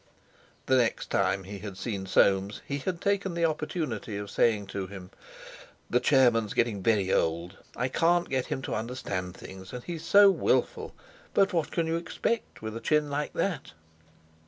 The next time he had seen Soames he had taken the opportunity of saying to him: "The chairman's getting very old!—I can't get him to understand things; and he's so wilful—but what can you expect, with a chin like his?"